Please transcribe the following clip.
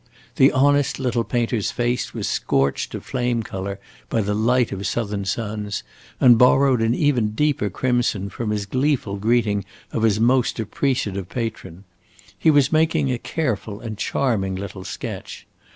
The honest little painter's face was scorched to flame color by the light of southern suns, and borrowed an even deeper crimson from his gleeful greeting of his most appreciative patron. He was making a careful and charming little sketch.